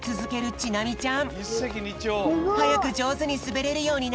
ちなみちゃん